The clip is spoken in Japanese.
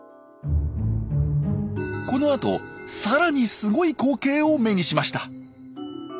このあとさらにすごい光景を目にしました。